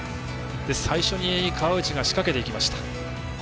最初に川内が入っていきました。